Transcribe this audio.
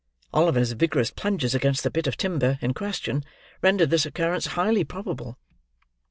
Oliver's vigorous plunges against the bit of timber in question, rendered this occurance highly probable.